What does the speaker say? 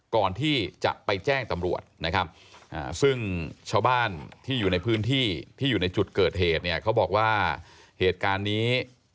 ก่อนที่จะไปแจ้งตำรวจนะครับซึ่งชาวบ้านที่อยู่ในพื้นที่ที่อยู่ในจุดเกิดเหตุเนี่ยเขาบอกว่าเหตุการณ์นี้